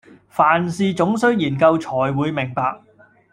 凡事總須研究，纔會明白。